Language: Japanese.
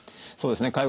そうですね。